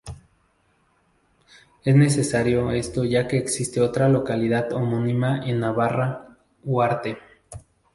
Es necesario esto ya que existe otra localidad homónima en Navarra: Huarte.